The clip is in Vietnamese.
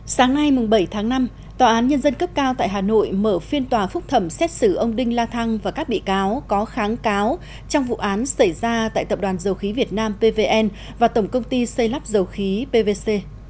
sáng nay bảy tháng năm tòa án nhân dân cấp cao tại hà nội mở phiên tòa phúc thẩm xét xử ông đinh la thăng và các bị cáo có kháng cáo trong vụ án xảy ra tại tập đoàn dầu khí việt nam pvn và tổng công ty xây lắp dầu khí pvc